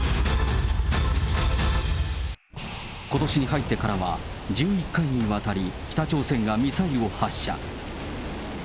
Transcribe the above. ことしに入ってからは、１１回にわたり北朝鮮がミサイルを発射。